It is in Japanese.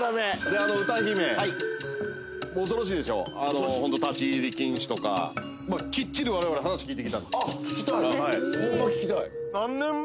あの歌姫恐ろしいでしょホント「立ち入り禁止」とかきっちり我々話聞いてきたんであっ聞きたいホンマ